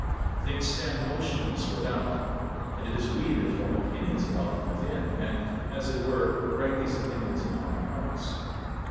Things stand motionless without; and it is we that form opinions about them within, and, as it were, write these opinions upon our hearts.